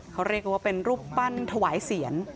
เขาเรียกว่าเป็นรูปปั้นถวายเสียร